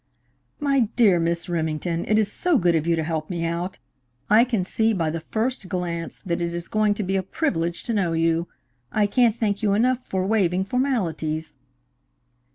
"My dear Miss Remington, it is so good of you to help me out! I can see by the first glance that it is going to be a privilege to know you. I can't thank you enough for waiving formalities."